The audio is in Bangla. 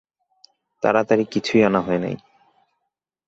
তাড়াতাড়ি কিছুই আনা হয় নাই।